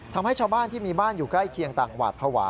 ทำให้ชาวบ้านที่มีบ้านอยู่ใกล้เคียงต่างหวาดภาวะ